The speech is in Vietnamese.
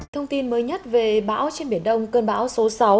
thông tin mới nhất về bão trên biển đông cơn bão số sáu